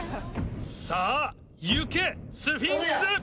さぁ行けスフィンクス！